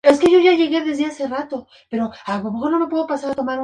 Más adelante fue director del periódico "Combate", del Partido Liberación Nacional.